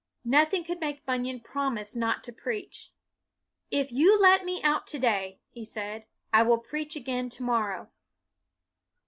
Nothing could make Bunyan promise not to preach. " If you let me out to day," he said, " I will preach again to morrow.''